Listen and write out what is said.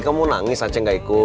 kung kung kung yuk berangkat yuk